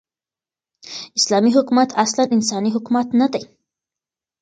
ز : اسلامې حكومت اصلاً انساني حكومت نه دى